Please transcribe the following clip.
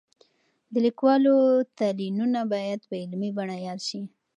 د لیکوالو تلینونه باید په علمي بڼه یاد شي.